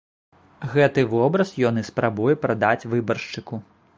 Гэты вобраз ён і спрабуе прадаць выбаршчыку.